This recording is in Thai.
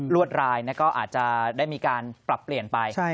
วดรายก็อาจจะได้มีการปรับเปลี่ยนไป